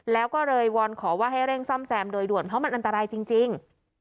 แล้วก็เลยวอนขอว่าให้เร่งซ่อมแซมโดยด่วนเพราะมันอันตรายจริง